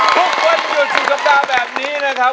ทุกวันหยุดสุดสัปดาห์แบบนี้นะครับ